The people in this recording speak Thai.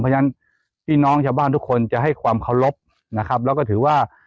เพราะฉะนั้นพี่น้องชาวบ้านทุกคนจะให้ความเคารพนะครับแล้วก็ถือว่า